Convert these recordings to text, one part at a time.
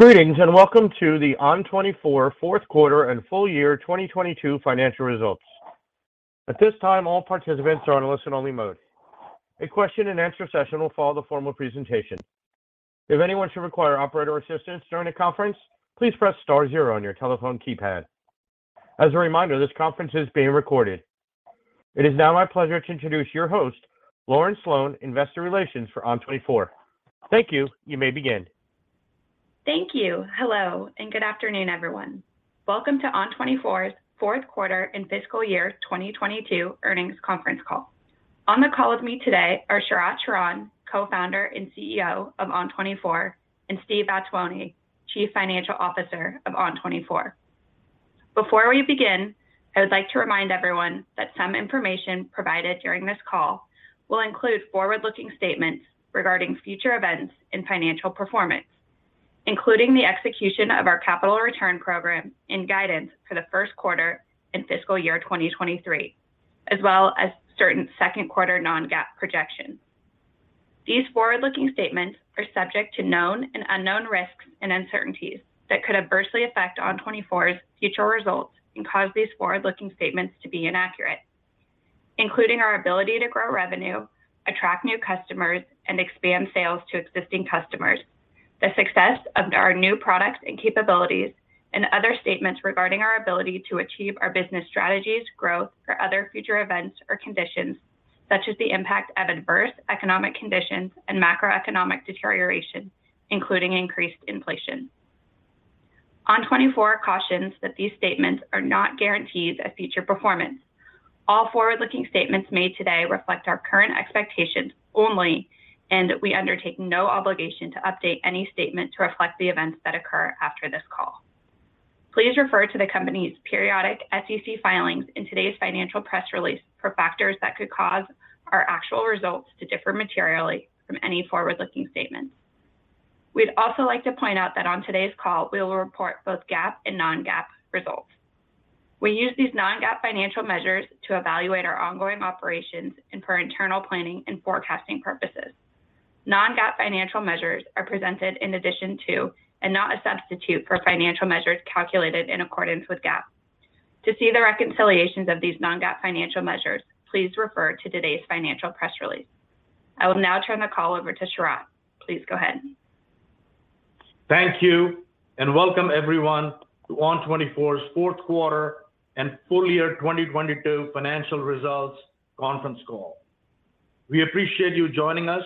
Greetings, and welcome to the ON24 fourth quarter and full year 2022 financial results. At this time, all participants are in listen-only mode. A question and answer session will follow the formal presentation. If anyone should require operator assistance during the conference, please press star zero on your telephone keypad. As a reminder, this conference is being recorded. It is now my pleasure to introduce your host, Lauren Sloane, Investor Relations for ON24. Thank you. You may begin. Thank you. Hello, good afternoon, everyone. Welcome to ON24's fourth quarter and fiscal year 2022 earnings conference call. On the call with me today are Sharat Sharan, Co-founder and CEO of ON24, and Steve Vattuone, Chief Financial Officer of ON24. Before we begin, I would like to remind everyone that some information provided during this call will include forward-looking statements regarding future events and financial performance, including the execution of our capital return program and guidance for the first quarter and fiscal year 2023, as well as certain second quarter non-GAAP projections. These forward-looking statements are subject to known and unknown risks and uncertainties that could adversely affect ON24's future results and cause these forward-looking statements to be inaccurate, including our ability to grow revenue, attract new customers, and expand sales to existing customers, the success of our new products and capabilities, and other statements regarding our ability to achieve our business strategies, growth, or other future events or conditions, such as the impact of adverse economic conditions and macroeconomic deterioration, including increased inflation. ON24 cautions that these statements are not guarantees of future performance. All forward-looking statements made today reflect our current expectations only, and we undertake no obligation to update any statement to reflect the events that occur after this call. Please refer to the company's periodic SEC filings in today's financial press release for factors that could cause our actual results to differ materially from any forward-looking statements. We'd also like to point out that on today's call, we will report both GAAP and non-GAAP results. We use these non-GAAP financial measures to evaluate our ongoing operations and for internal planning and forecasting purposes. Non-GAAP financial measures are presented in addition to, and not a substitute for, financial measures calculated in accordance with GAAP. To see the reconciliations of these non-GAAP financial measures, please refer to today's financial press release. I will now turn the call over to Sharat. Please go ahead. Thank you. Welcome everyone to ON24's fourth quarter and full year 2022 financial results conference call. We appreciate you joining us.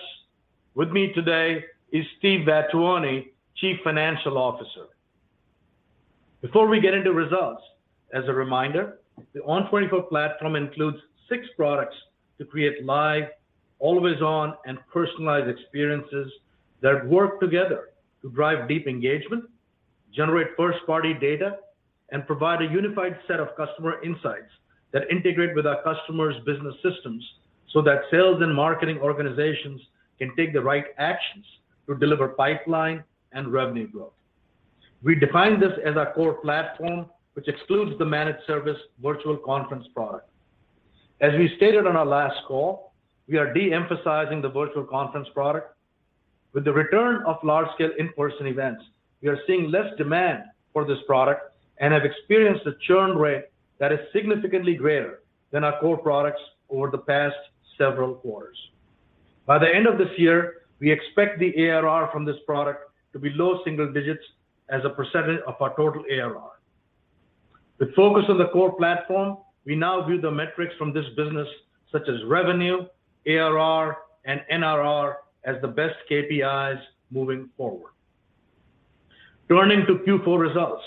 With me today is Steve Vattuone, Chief Financial Officer. Before we get into results, as a reminder, the ON24 platform includes six products to create live, always-on, and personalized experiences that work together to drive deep engagement, generate first-party data, and provide a unified set of customer insights that integrate with our customers' business systems so that sales and marketing organizations can take the right actions to deliver pipeline and revenue growth. We define this as our core platform, which excludes the managed service virtual conference product. As we stated on our last call, we are de-emphasizing the virtual conference product. With the return of large-scale in-person events, we are seeing less demand for this product and have experienced a churn rate that is significantly greater than our core products over the past several quarters. By the end of this year, we expect the ARR from this product to be low single digits as a % of our total ARR. With focus on the core platform, we now view the metrics from this business, such as revenue, ARR, and NRR, as the best KPIs moving forward. Turning to Q4 results.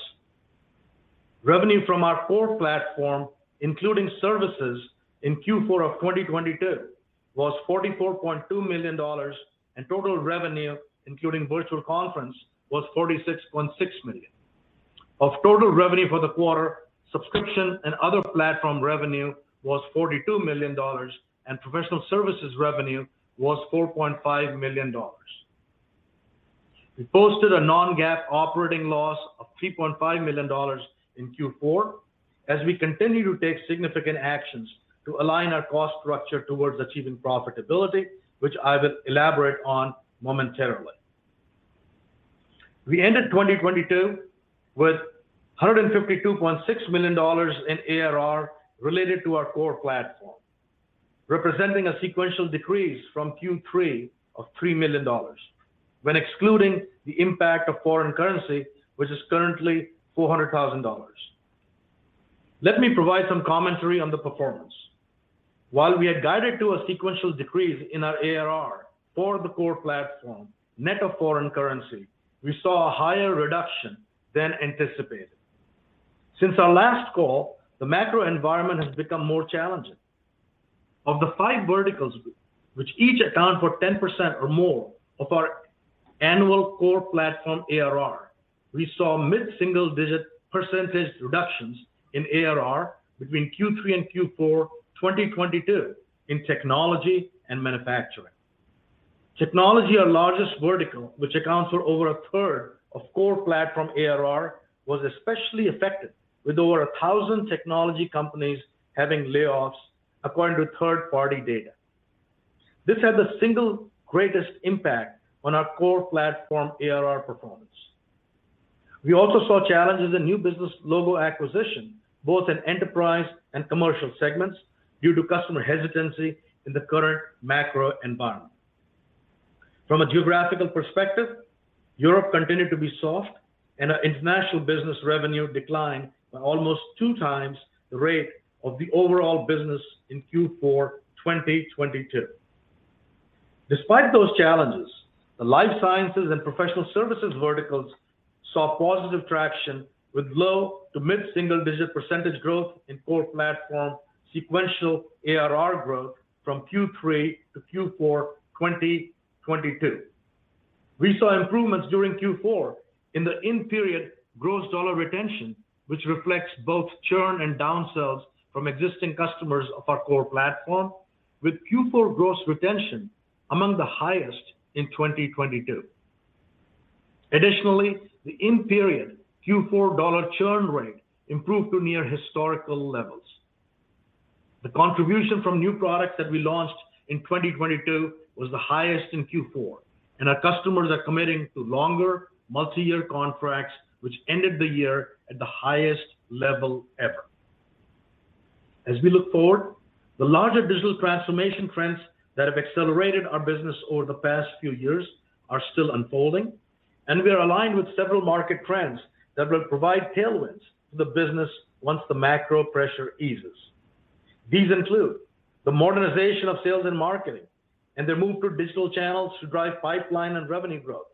Revenue from our core platform, including services in Q4 of 2022, was $44.2 million, and total revenue, including Virtual Conference, was $46.6 million. Of total revenue for the quarter, subscription and other platform revenue was $42 million, and professional services revenue was $4.5 million. We posted a non-GAAP operating loss of $3.5 million in Q4 as we continue to take significant actions to align our cost structure towards achieving profitability, which I will elaborate on momentarily. We ended 2022 with $152.6 million in ARR related to our core platform, representing a sequential decrease from Q3 of $3 million when excluding the impact of foreign currency, which is currently $400,000. Let me provide some commentary on the performance. While we had guided to a sequential decrease in our ARR for the core platform, net of foreign currency, we saw a higher reduction than anticipated. Since our last call, the macro environment has become more challenging. Of the five verticals, which each account for 10% or more of our annual core platform ARR, we saw mid-single digit % reductions in ARR between Q3 and Q4 2022 in technology and manufacturing. Technology, our largest vertical, which accounts for over a third of core platform ARR, was especially affected, with over 1,000 technology companies having layoffs according to third-party data. This had the single greatest impact on our core platform ARR performance. We also saw challenges in new business logo acquisition, both in enterprise and commercial segments due to customer hesitancy in the current macro environment. From a geographical perspective, Europe continued to be soft and our international business revenue declined by almost 2x the rate of the overall business in Q4 2022. Despite those challenges, the life sciences and professional services verticals saw positive traction with low to mid-single digit % growth in core platform sequential ARR growth from Q3 to Q4 2022. We saw improvements during Q4 in the in-period Gross Dollar Retention, which reflects both churn and downsells from existing customers of our core platform, with Q4 Gross Retention among the highest in 2022. The in-period Q4 dollar churn rate improved to near historical levels. The contribution from new products that we launched in 2022 was the highest in Q4, and our customers are committing to longer multi-year contracts, which ended the year at the highest level ever. As we look forward, the larger digital transformation trends that have accelerated our business over the past few years are still unfolding, and we are aligned with several market trends that will provide tailwinds to the business once the macro pressure eases. These include the modernization of sales and marketing and their move to digital channels to drive pipeline and revenue growth.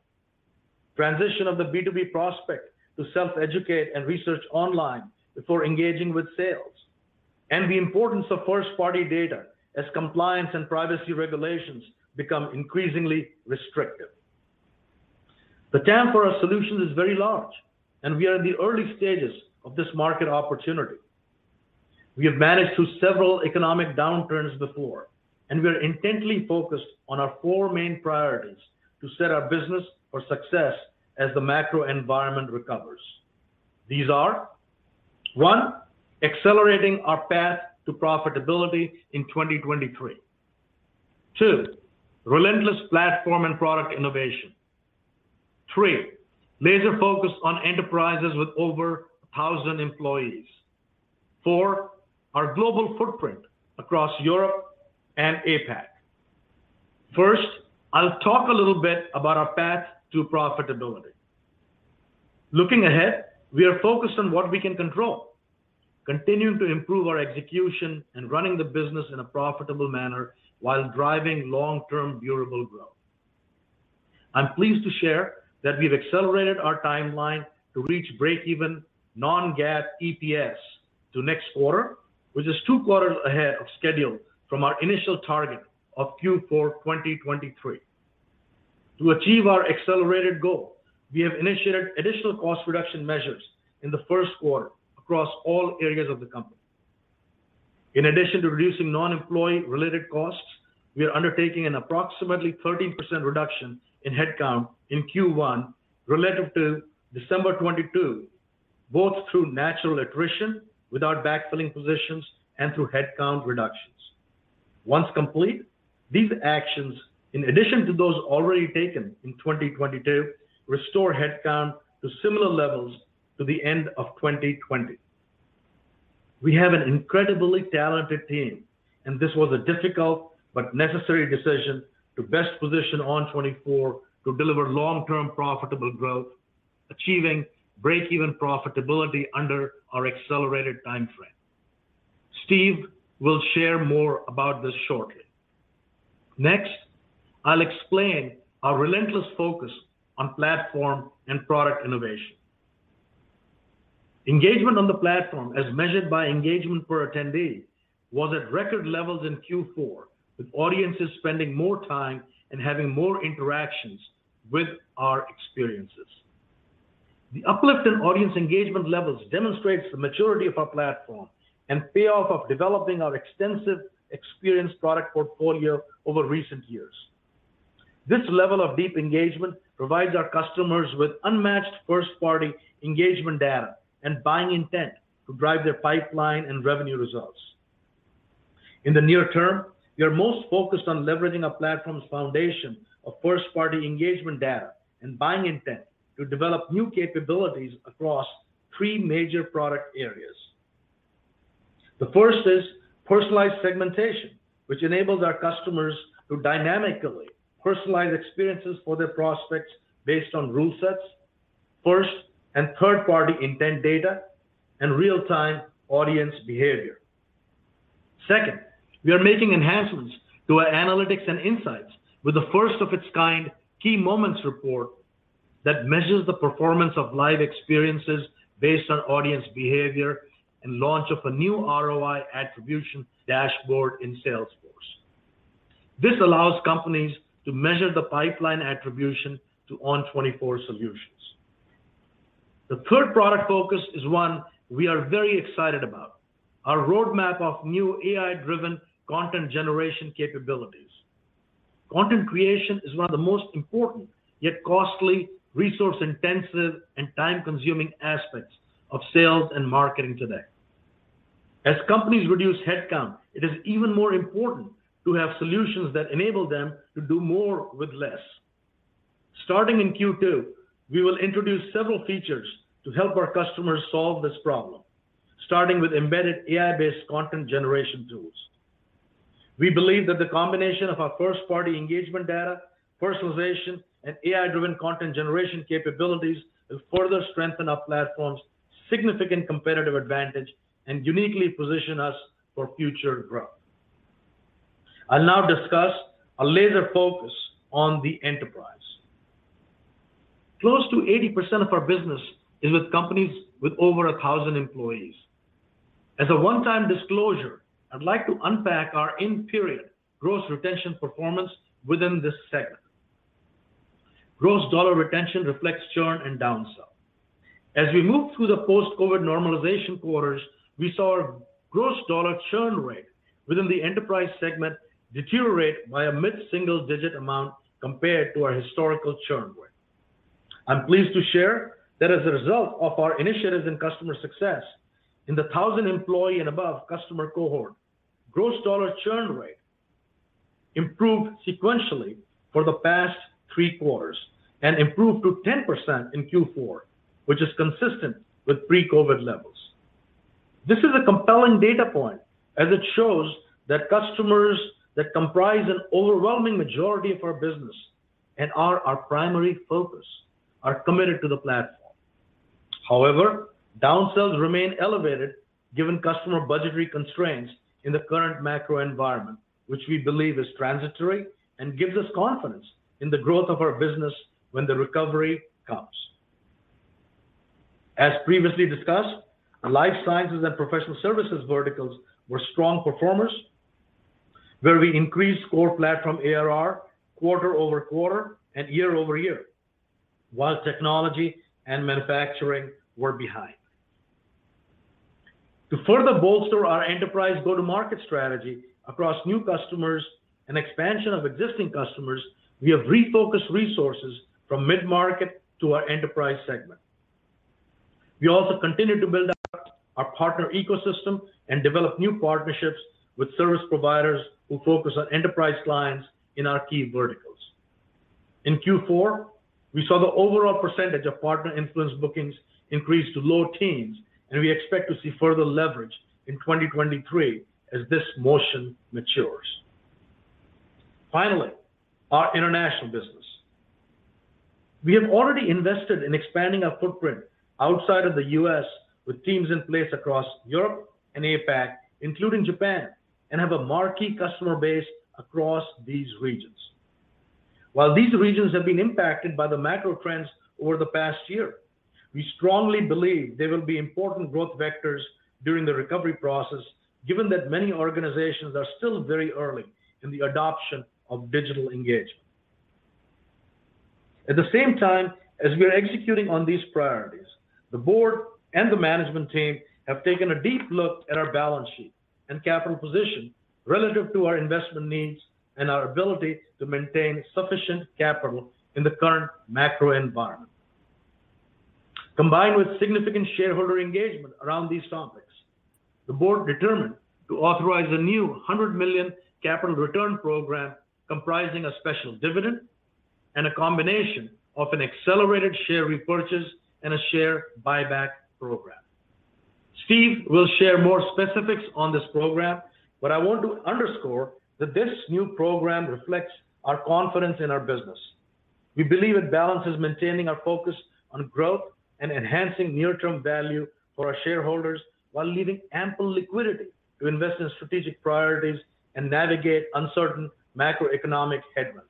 Transition of the B2B prospect to self-educate and research online before engaging with sales. The importance of first-party data as compliance and privacy regulations become increasingly restrictive. The TAM for our solution is very large, and we are in the early stages of this market opportunity. We have managed through several economic downturns before, and we are intently focused on our four main priorities to set our business for success as the macro environment recovers. These are, 1, accelerating our path to profitability in 2023. Two, relentless platform and product innovation. Three, laser focus on enterprises with over 1,000 employees. Four, our global footprint across Europe and APAC. I'll talk a little bit about our path to profitability. Looking ahead, we are focused on what we can control, continuing to improve our execution and running the business in a profitable manner while driving long-term durable growth. I'm pleased to share that we've accelerated our timeline to reach breakeven non-GAAP EPS to next quarter, which is two quarters ahead of schedule from our initial target of Q4 2023. To achieve our accelerated goal, we have initiated additional cost reduction measures in the first quarter across all areas of the company. In addition to reducing non-employee related costs, we are undertaking an approximately 13% reduction in headcount in Q1 relative to December 2022, both through natural attrition with our backfilling positions and through headcount reductions. Once complete, these actions, in addition to those already taken in 2022, restore headcount to similar levels to the end of 2020. We have an incredibly talented team, and this was a difficult but necessary decision to best position ON24 to deliver long-term profitable growth, achieving breakeven profitability under our accelerated timeframe. Steve will share more about this shortly. Next, I'll explain our relentless focus on platform and product innovation. Engagement on the platform, as measured by engagement per attendee, was at record levels in Q4, with audiences spending more time and having more interactions with our experiences. The uplift in audience engagement levels demonstrates the maturity of our platform and payoff of developing our extensive experience product portfolio over recent years. This level of deep engagement provides our customers with unmatched first-party engagement data and buying intent to drive their pipeline and revenue results. In the near term, we are most focused on leveraging our platform's foundation of first-party engagement data and buying intent to develop new capabilities across three major product areas. The first is personalized segmentation, which enables our customers to dynamically personalize experiences for their prospects based on rule sets, first and third-party intent data, and real-time audience behavior. Second, we are making enhancements to our analytics and insights with a first-of-its-kind Key Moments report that measures the performance of live experiences based on audience behavior and launch of a new ROI attribution dashboard in Salesforce. This allows companies to measure the pipeline attribution to ON24 solutions. The third product focus is one we are very excited about, our roadmap of new AI-driven content generation capabilities. Content creation is one of the most important yet costly, resource-intensive, and time-consuming aspects of sales and marketing today. As companies reduce headcount, it is even more important to have solutions that enable them to do more with less. Starting in Q2, we will introduce several features to help our customers solve this problem, starting with embedded AI-based content generation tools. We believe that the combination of our first-party engagement data, personalization, and AI-driven content generation capabilities will further strengthen our platform's significant competitive advantage and uniquely position us for future growth. I'll now discuss a laser focus on the enterprise. Close to 80% of our business is with companies with over 1,000 employees. As a one-time disclosure, I'd like to unpack our in-period gross retention performance within this segment. Gross Dollar Retention reflects churn and down sell. As we move through the post-COVID normalization quarters, we saw our gross dollar churn rate within the enterprise segment deteriorate by a mid-single-digit amount compared to our historical churn rate. I'm pleased to share that as a result of our initiatives in customer success, in the 1,000 employee and above customer cohort, gross dollar churn rate improved sequentially for the past three quarters and improved to 10% in Q4, which is consistent with pre-COVID levels. This is a compelling data point as it shows that customers that comprise an overwhelming majority of our business and are our primary focus are committed to the platform. Down-sells remain elevated given customer budgetary constraints in the current macro environment, which we believe is transitory and gives us confidence in the growth of our business when the recovery comes. Previously discussed, our life sciences and professional services verticals were strong performers, where we increased core platform ARR quarter-over-quarter and year-over-year, while technology and manufacturing were behind. To further bolster our enterprise go-to-market strategy across new customers and expansion of existing customers, we have refocused resources from mid-market to our enterprise segment. We also continue to build out our partner ecosystem and develop new partnerships with service providers who focus on enterprise clients in our key verticals. In Q4, we saw the overall percentage of partner influence bookings increase to low teens, and we expect to see further leverage in 2023 as this motion matures. Our international business. We have already invested in expanding our footprint outside of the US with teams in place across Europe and APAC, including Japan, and have a marquee customer base across these regions. While these regions have been impacted by the macro trends over the past year, we strongly believe they will be important growth vectors during the recovery process, given that many organizations are still very early in the adoption of digital engagement. At the same time as we are executing on these priorities, the board and the management team have taken a deep look at our balance sheet and capital position relative to our investment needs and our ability to maintain sufficient capital in the current macro environment. Combined with significant shareholder engagement around these topics, the board determined to authorize a new $100 million capital return program comprising a special dividend and a combination of an accelerated share repurchase and a share buyback program. Steve will share more specifics on this program, but I want to underscore that this new program reflects our confidence in our business. We believe it balances maintaining our focus on growth and enhancing near-term value for our shareholders while leaving ample liquidity to invest in strategic priorities and navigate uncertain macroeconomic headwinds.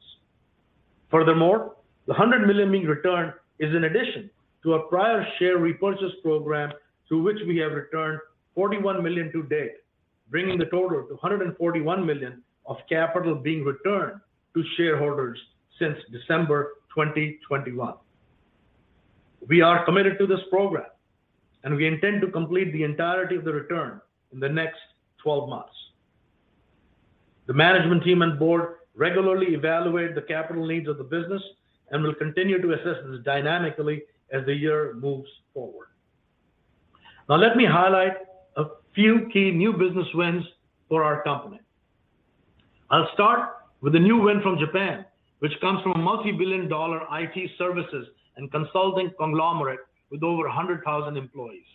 The $100 million being returned is in addition to a prior share repurchase program to which we have returned $41 million to date, bringing the total to $141 million of capital being returned to shareholders since December 2021. We are committed to this program, and we intend to complete the entirety of the return in the next 12 months. The management team and board regularly evaluate the capital needs of the business and will continue to assess this dynamically as the year moves forward. Let me highlight a few key new business wins for our company. I'll start with a new win from Japan, which comes from a multi-billion dollar IT services and consulting conglomerate with over 100,000 employees.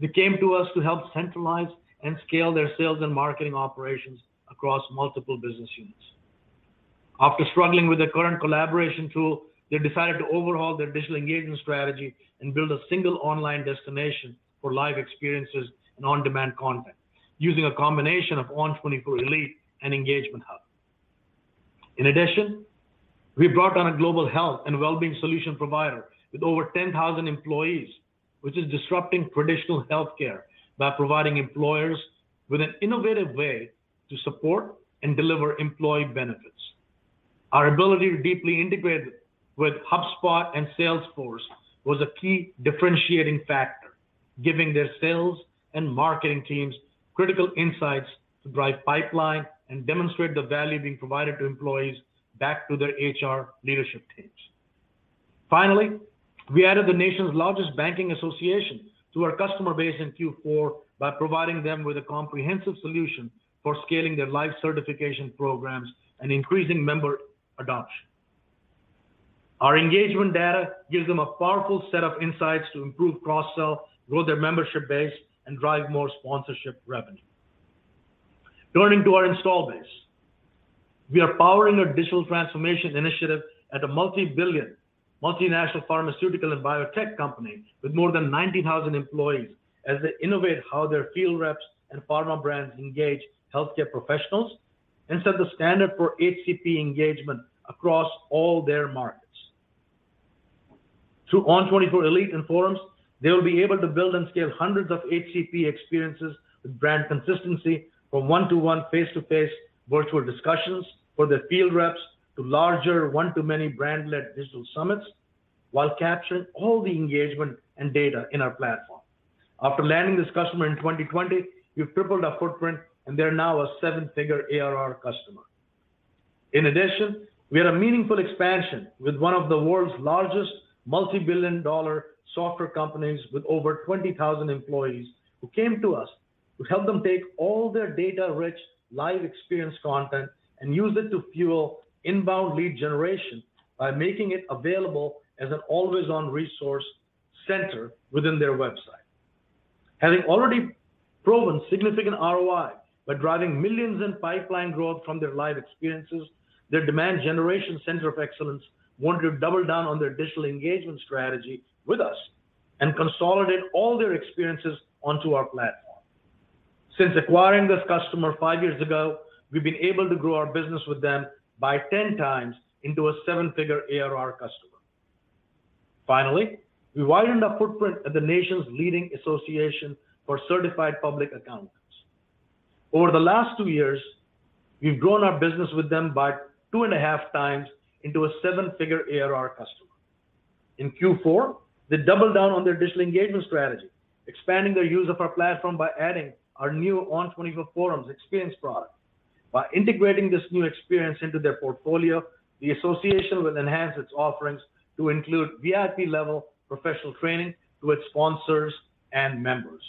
They came to us to help centralize and scale their sales and marketing operations across multiple business units. After struggling with their current collaboration tool, they decided to overhaul their digital engagement strategy and build a single online destination for live experiences and on-demand content using a combination of ON24 Elite and Engagement Hub. In addition, we brought on a global health and well-being solution provider with over 10,000 employees, which is disrupting traditional healthcare by providing employers with an innovative way to support and deliver employee benefits. Our ability to deeply integrate with HubSpot and Salesforce was a key differentiating factor, giving their sales and marketing teams critical insights to drive pipeline and demonstrate the value being provided to employees back to their HR leadership teams. Finally, we added the nation's largest banking association to our customer base in Q4 by providing them with a comprehensive solution for scaling their life certification programs and increasing member adoption. Our engagement data gives them a powerful set of insights to improve cross-sell, grow their membership base, and drive more sponsorship revenue. Turning to our install base. We are powering our digital transformation initiative at a multi-billion multinational pharmaceutical and biotech company with more than 90,000 employees as they innovate how their field reps and pharma brands engage healthcare professionals and set the standard for HCP engagement across all their markets. Through ON24 Elite and Forums, they will be able to build and scale hundreds of HCP experiences with brand consistency from one-to-one face-to-face virtual discussions for their field reps to larger one-to-many brand-led digital summits, while capturing all the engagement and data in our platform. After landing this customer in 2020, we've tripled our footprint, and they're now a seven-figure ARR customer. We had a meaningful expansion with one of the world's largest multi-billion-dollar software companies with over 20,000 employees who came to us to help them take all their data-rich live experience content and use it to fuel inbound lead generation by making it available as an always-on resource center within their website. Having already proven significant ROI by driving $ millions in pipeline growth from their live experiences, their demand generation center of excellence wanted to double down on their digital engagement strategy with us and consolidate all their experiences onto our platform. Since acquiring this customer five years ago, we've been able to grow our business with them by 10 times into a seven-figure ARR customer. We widened our footprint at the nation's leading association for certified public accountants. Over the last two years, we've grown our business with them by 2.5x into a $7-figure ARR customer. In Q4, they doubled down on their digital engagement strategy, expanding their use of our platform by adding our new ON24 Forums experience product. B integrating this new experience into their portfolio, the association will enhance its offerings to include VIP-level professional training to its sponsors and members.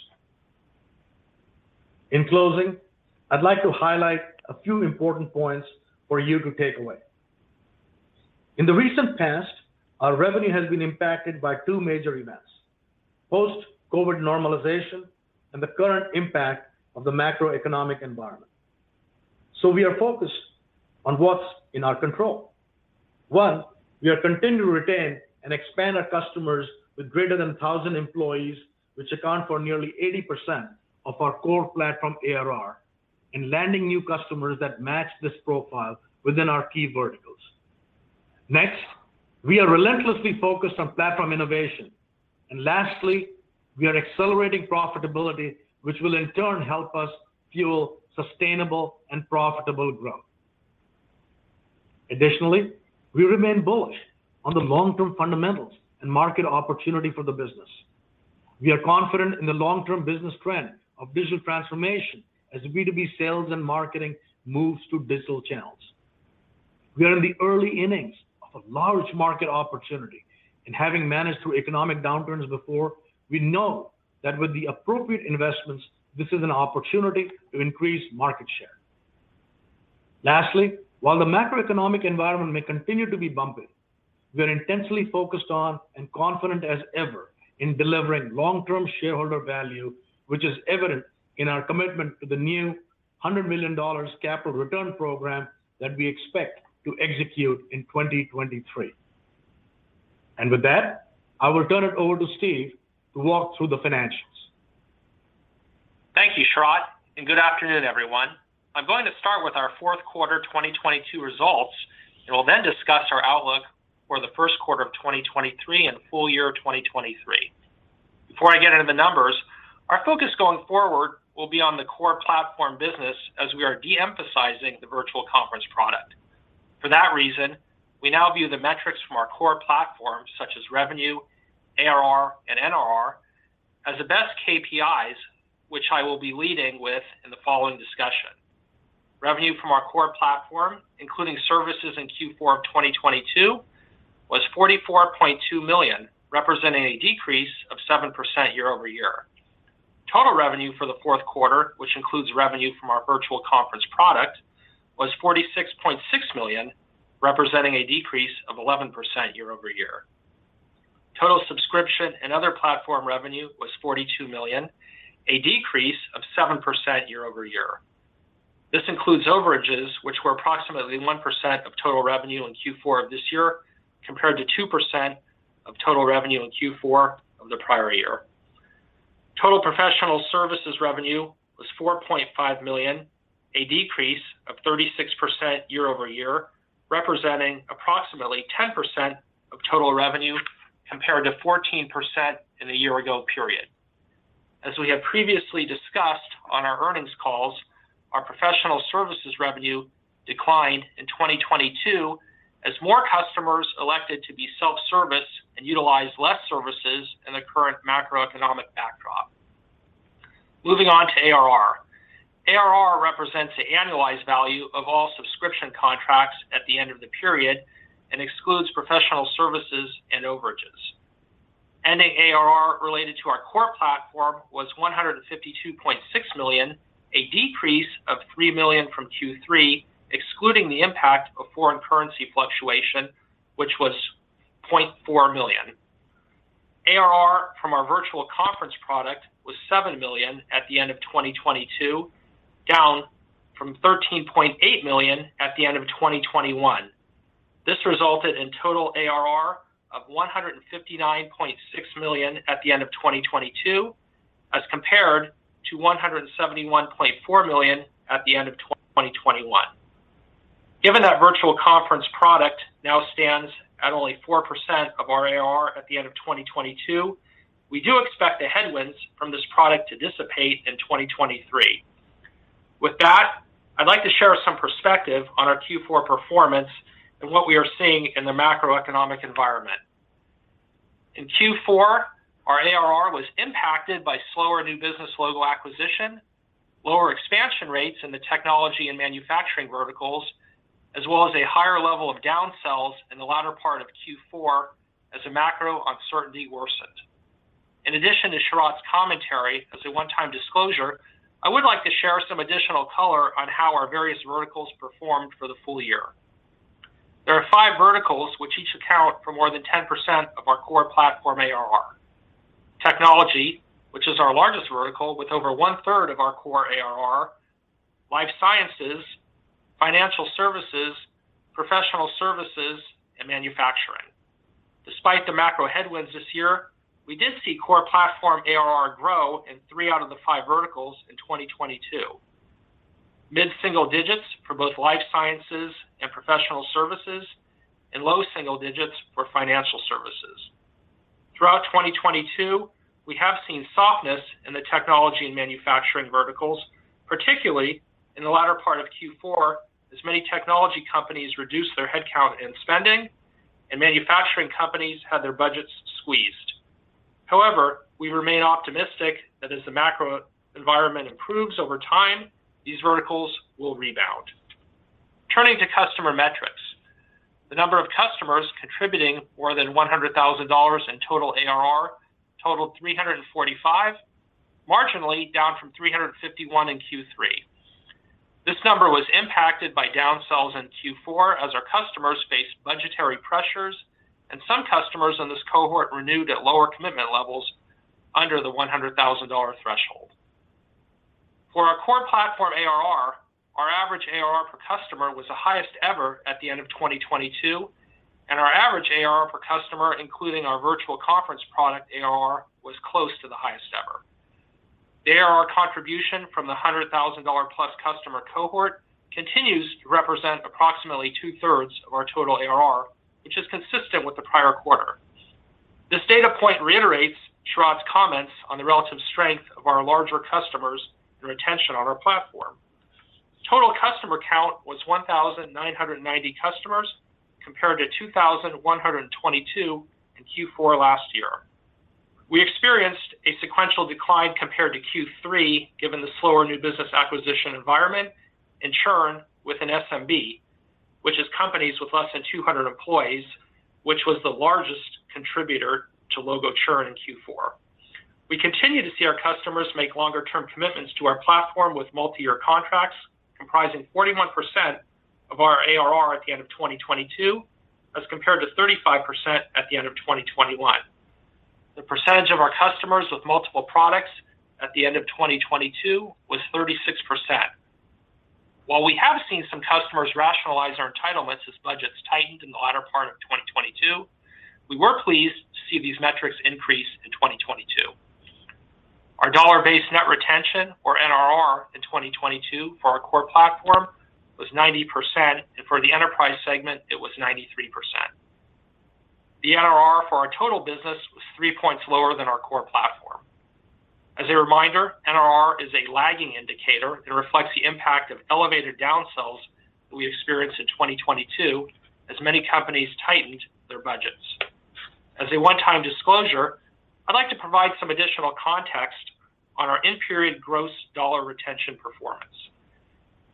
In closing, I'd like to highlight a few important points for you to take away. In the recent past, our revenue has been impacted by two major events: post-COVID normalization and the current impact of the macroeconomic environment. We are focused on what's in our control. One, we are continuing to retain and expand our customers with greater than 1,000 employees, which account for nearly 80% of our core platform ARR, and landing new customers that match this profile within our key verticals. Next, we are relentlessly focused on platform innovation. Lastly, we are accelerating profitability, which will in turn help us fuel sustainable and profitable growth. Additionally, we remain bullish on the long-term fundamentals and market opportunity for the business. We are confident in the long-term business trend of digital transformation as B2B sales and marketing moves to digital channels. We are in the early innings of a large market opportunity, and having managed through economic downturns before, we know that with the appropriate investments, this is an opportunity to increase market share. Lastly, while the macroeconomic environment may continue to be bumpy, we are intensely focused on and confident as ever in delivering long-term shareholder value, which is evident in our commitment to the new $100 million capital return program that we expect to execute in 2023. With that, I will turn it over to Steve to walk through the financials. Thank you, Sharat. Good afternoon, everyone. I'm going to start with our fourth quarter 2022 results. We'll then discuss our outlook for the first quarter of 2023 and full year 2023. Before I get into the numbers, our focus going forward will be on the core platform business as we are de-emphasizing the virtual conference product. For that reason, we now view the metrics from our core platform, such as revenue, ARR, and NRR, as the best KPIs which I will be leading with in the following discussion. Revenue from our core platform, including services in Q4 of 2022, was $44.2 million, representing a decrease of 7% year-over-year. Total revenue for the fourth quarter, which includes revenue from our virtual conference product, was $46.6 million, representing a decrease of 11% year-over-year. Total subscription and other platform revenue was $42 million, a decrease of 7% year-over-year. This includes overages, which were approximately 1% of total revenue in Q4 of this year, compared to 2% of total revenue in Q4 of the prior year. Total professional services revenue was $4.5 million, a decrease of 36% year-over-year, representing approximately 10% of total revenue, compared to 14% in the year-ago period. As we have previously discussed on our earnings calls, our professional services revenue declined in 2022 as more customers elected to be self-service and utilize less services in the current macroeconomic environment. Moving on to ARR. ARR represents the annualized value of all subscription contracts at the end of the period and excludes professional services and overages. Ending ARR related to our core platform was $152.6 million, a decrease of $3 million from Q3, excluding the impact of foreign currency fluctuation, which was $0.4 million. ARR from our virtual conference product was $7 million at the end of 2022, down from $13.8 million at the end of 2021. This resulted in total ARR of $159.6 million at the end of 2022, as compared to $171.4 million at the end of 2021. Given that virtual conference product now stands at only 4% of our ARR at the end of 2022, we do expect the headwinds from this product to dissipate in 2023. With that, I'd like to share some perspective on our Q4 performance and what we are seeing in the macroeconomic environment. In Q4, our ARR was impacted by slower new business logo acquisition, lower expansion rates in the technology and manufacturing verticals, as well as a higher level of downsells in the latter part of Q4 as the macro uncertainty worsened. In addition to Sharat's commentary as a one-time disclosure, I would like to share some additional color on how our various verticals performed for the full year. There are five verticals which each account for more than 10% of our core platform ARR. Technology, which is our largest vertical with over 1/3 of our core ARR, life sciences, financial services, professional services, and manufacturing. Despite the macro headwinds this year, we did see core platform ARR grow in three out of the five verticals in 2022. Mid-single digits for both life sciences and professional services, and low single digits for financial services. Throughout 2022, we have seen softness in the technology and manufacturing verticals, particularly in the latter part of Q4, as many technology companies reduced their headcount and spending, and manufacturing companies had their budgets squeezed. We remain optimistic that as the macro environment improves over time, these verticals will rebound. Turning to customer metrics. The number of customers contributing more than $100,000 in total ARR totaled 345, marginally down from 351 in Q3. This number was impacted by downsells in Q4 as our customers faced budgetary pressures, and some customers in this cohort renewed at lower commitment levels under the $100,000 threshold. For our core platform ARR, our average ARR per customer was the highest ever at the end of 2022, and our average ARR per customer, including our virtual conference product ARR, was close to the highest ever. The ARR contribution from the $100,000-plus customer cohort continues to represent approximately two-thirds of our total ARR, which is consistent with the prior quarter. This data point reiterates Sharat's comments on the relative strength of our larger customers through retention on our platform. Total customer count was 1,990 customers, compared to 2,122 in Q4 last year. We experienced a sequential decline compared to Q3, given the slower new business acquisition environment and churn within SMB, which is companies with less than 200 employees, which was the largest contributor to logo churn in Q4. We continue to see our customers make longer-term commitments to our platform with multi-year contracts, comprising 41% of our ARR at the end of 2022, as compared to 35% at the end of 2021. The percentage of our customers with multiple products at the end of 2022 was 36%. While we have seen some customers rationalize our entitlements as budgets tightened in the latter part of 2022, we were pleased to see these metrics increase in 2022. Our Dollar-Based Net Retention, or NRR, in 2022 for our core platform was 90%, and for the enterprise segment, it was 93%. The NRR for our total business was three points lower than our core platform. As a reminder, NRR is a lagging indicator and reflects the impact of elevated downsells we experienced in 2022 as many companies tightened their budgets. As a one-time disclosure, I'd like to provide some additional context on our in-period gross dollar retention performance.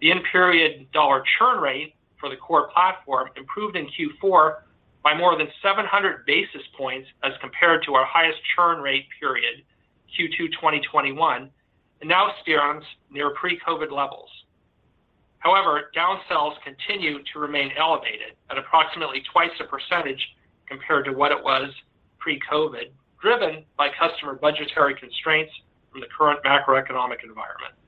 The in-period dollar churn rate for the core platform improved in Q4 by more than 700 basis points as compared to our highest churn rate period, Q2 2021, and now steer on near pre-COVID levels. Downsells continue to remain elevated at approximately twice the percentage compared to what it was pre-COVID, driven by customer budgetary constraints from the current macroeconomic environment.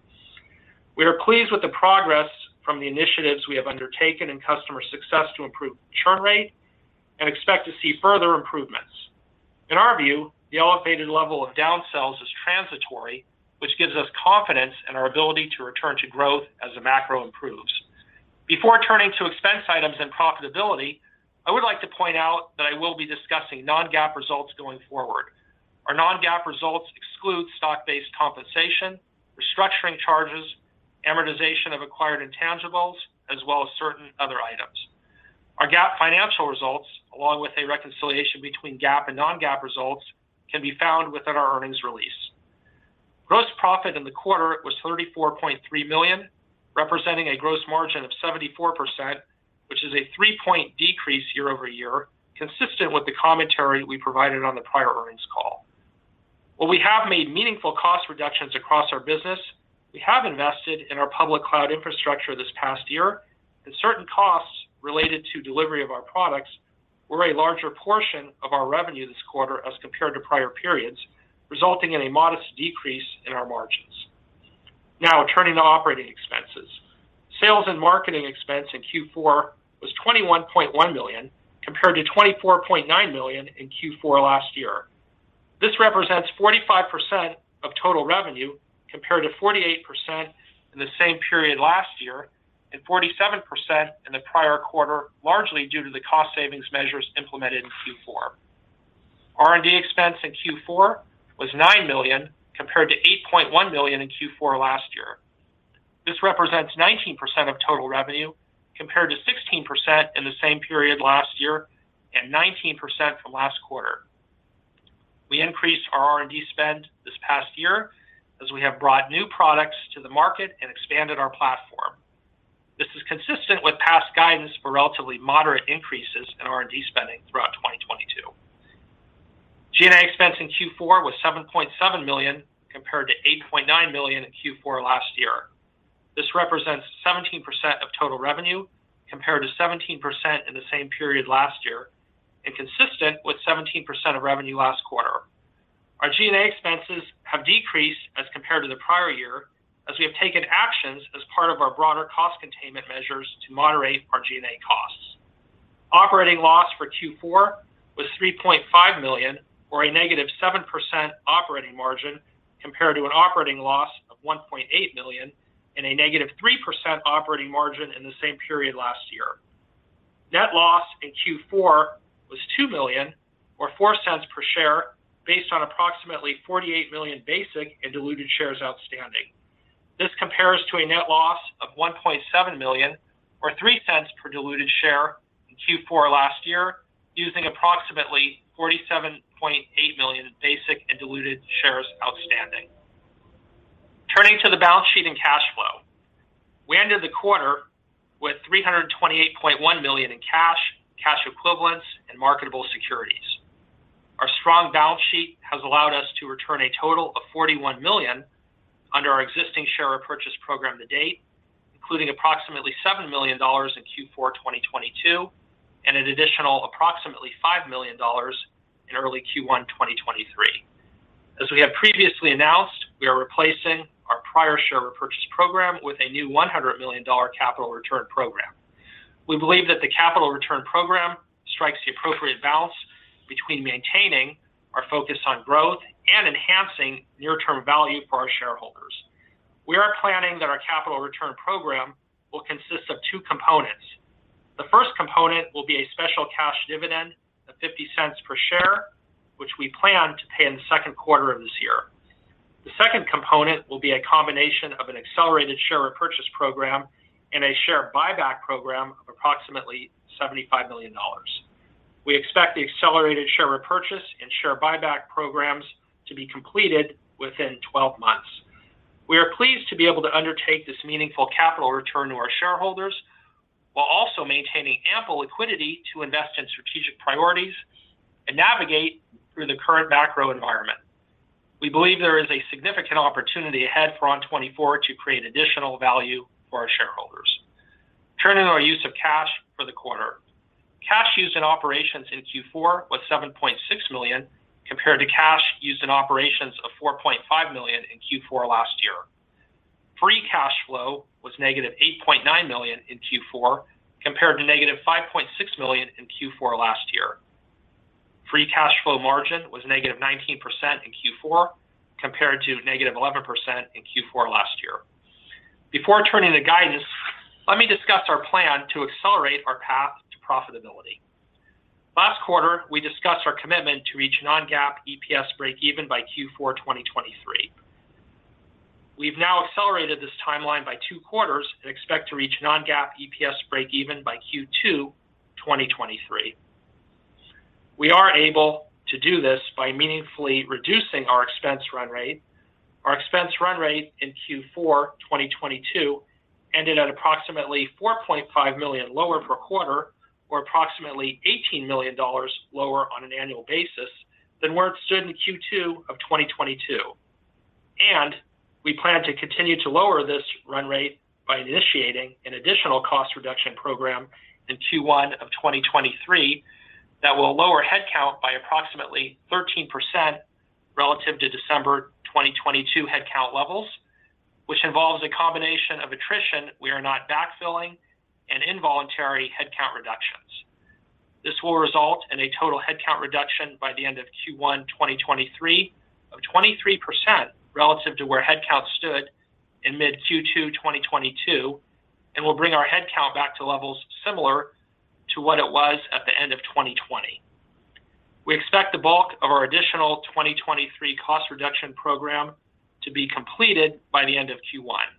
We are pleased with the progress from the initiatives we have undertaken in customer success to improve churn rate and expect to see further improvements. In our view, the elevated level of downsells is transitory, which gives us confidence in our ability to return to growth as the macro improves. Before turning to expense items and profitability, I would like to point out that I will be discussing non-GAAP results going forward. Our non-GAAP results exclude stock-based compensation, restructuring charges, amortization of acquired intangibles, as well as certain other items. Our GAAP financial along with a reconciliation between GAAP and non-GAAP results can be found within our earnings release. Gross profit in the quarter was $34.3 million, representing a gross margin of 74%, which is a three-point decrease year-over-year, consistent with the commentary we provided on the prior earnings call. While we have made meaningful cost reductions across our business, we have invested in our public cloud infrastructure this past year, and certain costs related to delivery of our products were a larger portion of our revenue this quarter as compared to prior periods, resulting in a modest decrease in our margins. Now turning to operating expenses. Sales and marketing expense in Q4 was $21.1 million, compared to $24.9 million in Q4 last year. This represents 45% of total revenue, compared to 48% in the same period last year, and 47% in the prior quarter, largely due to the cost savings measures implemented in Q4. R&D expense in Q4 was $9 million, compared to $8.1 million in Q4 last year. This represents 19% of total revenue, compared to 16% in the same period last year and 19% from last quarter. We increased our R&D spend this past year as we have brought new products to the market and expanded our platform. This is consistent with past guidance for relatively moderate increases in R&D spending throughout 2022. G&A expense in Q4 was $7.7 million, compared to $8.9 million in Q4 last year. This represents 17% of total revenue, compared to 17% in the same period last year and consistent with 17% of revenue last quarter. Our G&A expenses have decreased as compared to the prior year as we have taken actions as part of our broader cost containment measures to moderate our G&A costs. Operating loss for Q4 was $3.5 million or a -7% operating margin, compared to an operating loss of $1.8 million and a -3% operating margin in the same period last year. Net loss in Q4 was $2 million or $0.04 per share based on approximately 48 million basic and diluted shares outstanding. This compares to a net loss of $1.7 million or $0.03 per diluted share in Q4 last year, using approximately 47.8 million in basic and diluted shares outstanding. Turning to the balance sheet and cash flow. We ended the quarter with $328.1 million in cash equivalents, and marketable securities. Our strong balance sheet has allowed us to return a total of $41 million under our existing share repurchase program to date, including approximately $7 million in Q4 2022, and an additional approximately $5 million in early Q1 2023. As we have previously announced, we are replacing our prior share repurchase program with a new $100 million capital return program. We believe that the capital return program strikes the appropriate balance between maintaining our focus on growth and enhancing near-term value for our shareholders. We are planning that our capital return program will consist of two components. The first component will be a special cash dividend of $0.50 per share, which we plan to pay in the second quarter of this year. The second component will be a combination of an accelerated share repurchase program and a share buyback program of approximately $75 million. We expect the accelerated share repurchase and share buyback programs to be completed within 12 months. We are pleased to be able to undertake this meaningful capital return to our shareholders while also maintaining ample liquidity to invest in strategic priorities and navigate through the current macro environment. We believe there is a significant opportunity ahead for ON24 to create additional value for our shareholders. Turning to our use of cash for the quarter. Cash used in operations in Q4 was $7.6 million, compared to cash used in operations of $4.5 million in Q4 last year. Free cash flow was -$8.9 million in Q4, compared to -$5.6 million in Q4 last year. Free cash flow margin was -19% in Q4, compared to -11% in Q4 last year. Before turning to guidance, let me discuss our plan to accelerate our path to profitability. Last quarter, we discussed our commitment to reach non-GAAP EPS breakeven by Q4 2023. We've now accelerated this timeline by two quarters and expect to reach non-GAAP EPS breakeven by Q2 2023. We are able to do this by meaningfully reducing our expense run rate. Our expense run rate in Q4 2022 ended at approximately $4.5 million lower per quarter or approximately $18 million lower on an annual basis than where it stood in Q2 of 2022. We plan to continue to lower this run rate by initiating an additional cost reduction program in Q1 of 2023 that will lower headcount by approximately 13% relative to December 2022 headcount levels, which involves a combination of attrition we are not backfilling and involuntary headcount reductions. This will result in a total headcount reduction by the end of Q1 2023 of 23% relative to where headcount stood in mid-Q2 2022, and will bring our headcount back to levels similar to what it was at the end of 2020. We expect the bulk of our additional 2023 cost reduction program to be completed by the end of Q1.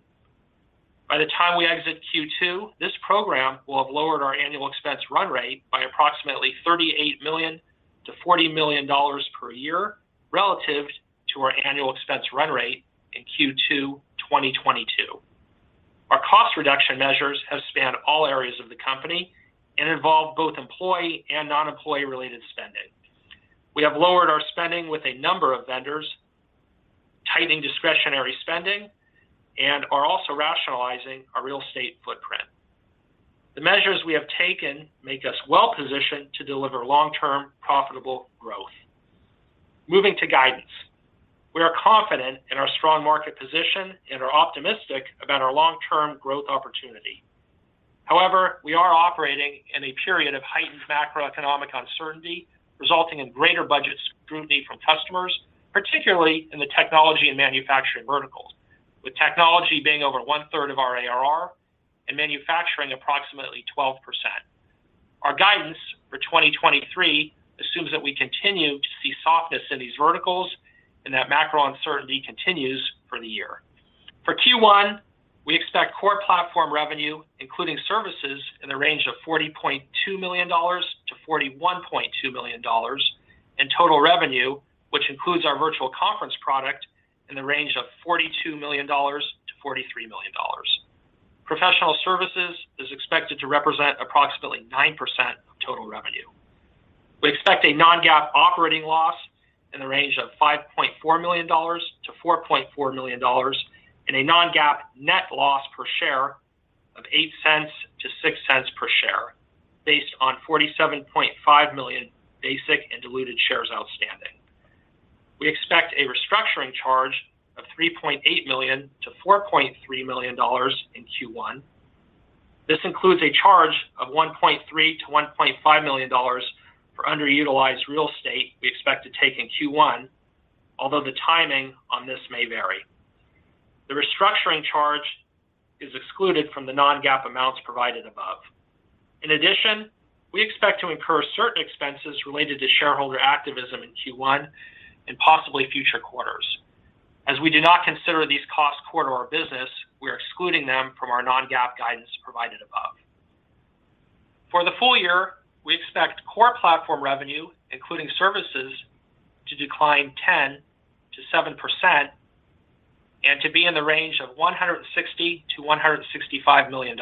By the time we exit Q2, this program will have lowered our annual expense run rate by approximately $38 million-$40 million per year relative to our annual expense run rate in Q2 2022. Our cost reduction measures have spanned all areas of the company and involve both employee and non-employee related spending. We have lowered our spending with a number of vendors, tightening discretionary spending, and are also rationalizing our real estate footprint. The measures we have taken make us well-positioned to deliver long-term profitable growth. Moving to guidance. We are confident in our strong market position and are optimistic about our long-term growth opportunity. We are operating in a period of heightened macroeconomic uncertainty, resulting in greater budget scrutiny from customers, particularly in the technology and manufacturing verticals, with technology being over 1/3 of our ARR and manufacturing approximately 12%. Our guidance for 2023 assumes that we continue to see softness in these verticals and that macro uncertainty continues for the year. For Q1, we expect core platform revenue, including services, in the range of $40.2 million-$41.2 million, and total revenue, which includes our ON24 Virtual Conference product, in the range of $42 million-$43 million. Professional services is expected to represent approximately 9% of total revenue. We expect a non-GAAP operating loss in the range of $5.4 million-$4.4 million, and a non-GAAP net loss per share of $0.08-$0.06 per share based on 47.5 million basic and diluted shares outstanding. We expect a restructuring charge of $3.8 million-$4.3 million in Q1. This includes a charge of $1.3 million-$1.5 million for underutilized real estate we expect to take in Q1, although the timing on this may vary. The restructuring charge is excluded from the non-GAAP amounts provided above. In addition, we expect to incur certain expenses related to shareholder activism in Q1 and possibly future quarters. As we do not consider these costs core to our business, we are excluding them from our non-GAAP guidance provided above. For the full year, we expect core platform revenue, including services, to decline 10%-7% and to be in the range of $160 million-$165 million.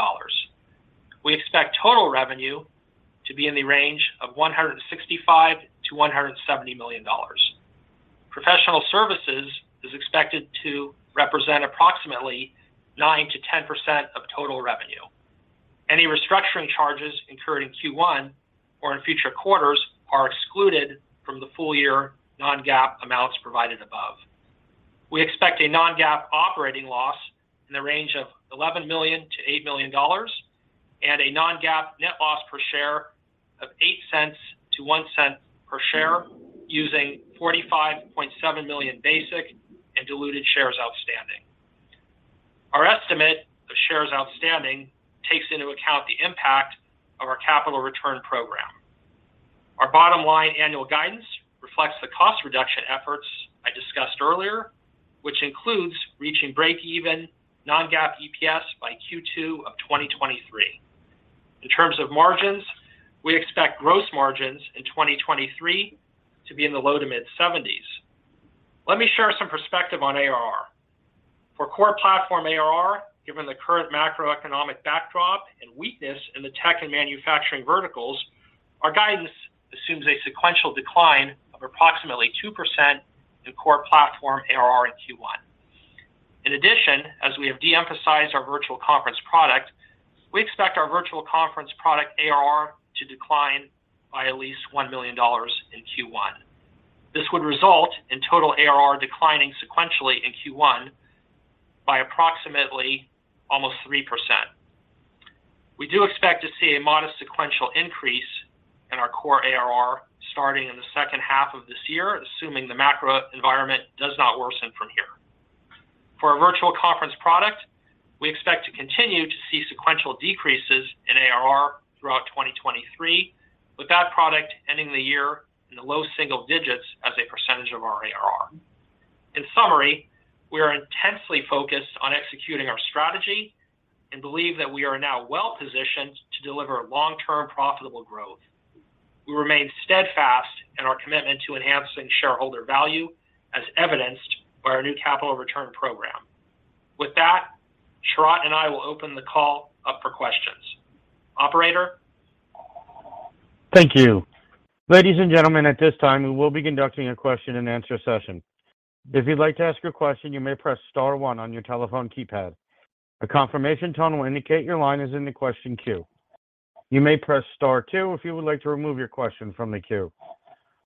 We expect total revenue to be in the range of $165 million-$170 million. Professional services is expected to represent approximately 9%-10% of total revenue. Any restructuring charges incurred in Q1 or in future quarters are excluded from the full year non-GAAP amounts provided above. We expect a non-GAAP operating loss in the range of $11 million-$8 million and a non-GAAP net loss per share of $0.08-$0.01 per share using 45.7 million basic and diluted shares outstanding. Our estimate of shares outstanding takes into account the impact of our capital return program. Our bottom line annual guidance reflects the cost reduction efforts I discussed earlier, which includes reaching breakeven non-GAAP EPS by Q2 of 2023. In terms of margins, we expect gross margins in 2023 to be in the low to mid-seventies. Let me share some perspective on ARR. For core platform ARR, given the current macroeconomic backdrop and weakness in the tech and manufacturing verticals, our guidance assumes a sequential decline of approximately 2% in core platform ARR in Q1. In addition, as we have de-emphasized our Virtual Conference product, we expect our Virtual Conference product ARR to decline by at least $1 million in Q1. This would result in total ARR declining sequentially in Q1 by approximately almost 3%. We do expect to see a modest sequential increase in our core ARR starting in the second half of this year, assuming the macro environment does not worsen from here. For our Virtual Conference product, we expect to continue to see sequential decreases in ARR throughout 2023, with that product ending the year in the low single digits as a percentage of our ARR. In summary, we are intensely focused on executing our strategy and believe that we are now well-positioned to deliver long-term profitable growth. We remain steadfast in our commitment to enhancing shareholder value, as evidenced by our new capital return program. Sharat and I will open the call up for questions. Operator? Thank you. Ladies and gentlemen, at this time, we will be conducting a question and answer session. If you'd like to ask your question, you may press star one on your telephone keypad. A confirmation tone will indicate your line is in the question queue. You may press star two if you would like to remove your question from the queue.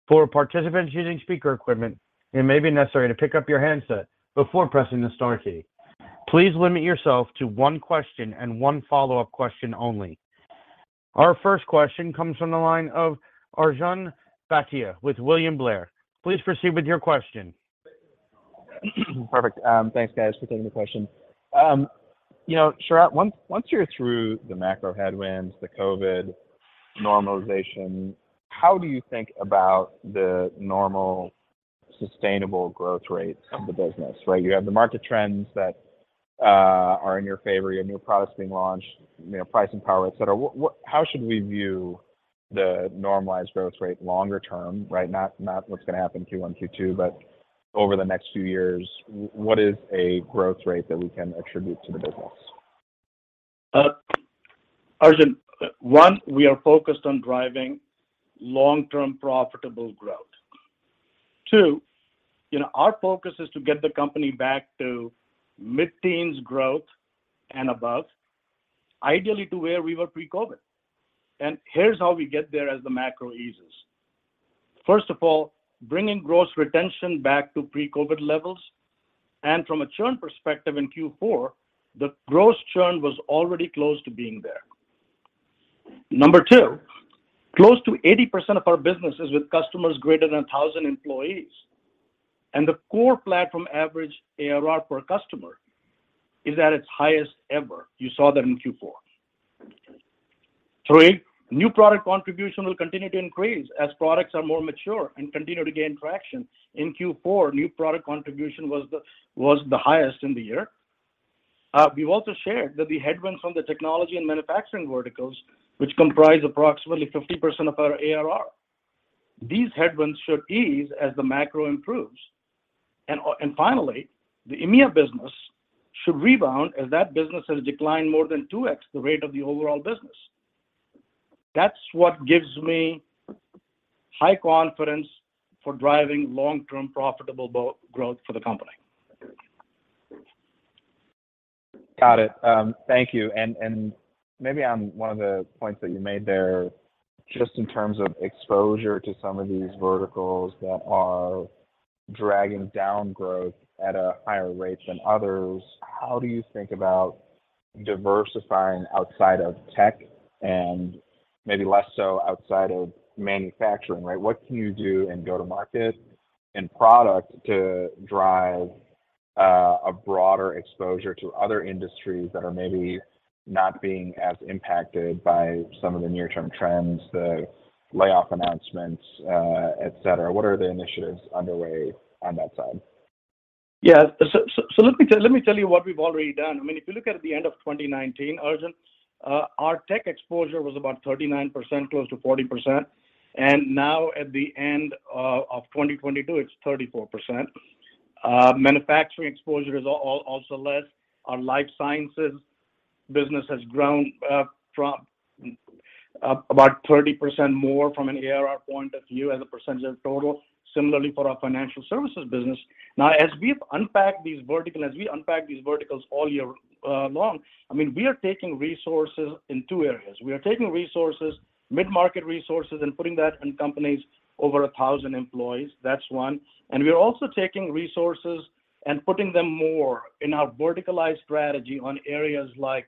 For participants using speaker equipment, it may be necessary to pick up your handset before pressing the star key. Please limit yourself to one question and one follow-up question only. Our first question comes from the line of Arjun Bhatia with William Blair. Please proceed with your question. Perfect. Thanks guys for taking the question. You know Sharat, once you're through the macro headwinds, the COVID normalization, how do you think about the normal sustainable growth rates of the business, right? You have the market trends that are in your favor, you have new products being launched, you know, pricing power, et cetera. How should we view the normalized growth rate longer term, right? Not what's gonna happen Q1, Q2, but over the next few years, what is a growth rate that we can attribute to the business? 1. Arjun, we are focused on driving long-term profitable growth. two. you know, our focus is to get the company back to mid-teens growth and above, ideally to where we were pre-COVID. Here's how we get there as the macro eases. First of all, bringing gross retention back to pre-COVID levels, and from a churn perspective in Q4, the gross churn was already close to being there. two. close to 80% of our business is with customers greater than 1,000 employees, and the core platform average ARR per customer is at its highest ever. You saw that in Q4. three. new product contribution will continue to increase as products are more mature and continue to gain traction. In Q4, new product contribution was the highest in the year. We've also shared that the headwinds from the technology and manufacturing verticals, which comprise approximately 50% of our ARR, these headwinds should ease as the macro improves. Finally, the EMEA business should rebound as that business has declined more than 2x the rate of the overall business. That's what gives me high confidence for driving long-term profitable growth for the company. Got it. Thank you. Maybe on one of the points that you made there, just in terms of exposure to some of these verticals that are dragging down growth at a higher rate than others, how do you think about diversifying outside of tech and maybe less so outside of manufacturing, right? What can you do in go-to-market and product to drive a broader exposure to other industries that are maybe not being as impacted by some of the near term trends, the layoff announcements, et cetera? What are the initiatives underway on that side? Yeah. Let me tell you what we've already done. I mean, if you look at the end of 2019, Arjun, our tech exposure was about 39%, close to 40%. Now at the end of 2022, it's 34%. Manufacturing exposure is also less. Our life sciences business has grown from about 30% more from an ARR point of view as a percentage of total. Similarly for our financial services business. As we unpack these verticals all year long, I mean, we are taking resources in two areas. We are taking resources, mid-market resources, and putting that in companies over 1,000 employees. That's one. We are also taking resources and putting them more in our verticalized strategy on areas like